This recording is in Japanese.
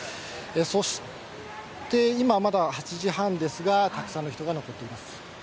そして今まだ８時半ですが、たくさんの人が残っています。